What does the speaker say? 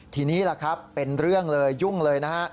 ทีนี้เป็นเรื่องเลยยุ่งเลยนะฮะ